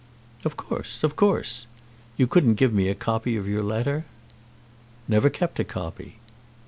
"Of course; of course. You couldn't give me a copy of your letter?" "Never kept a copy."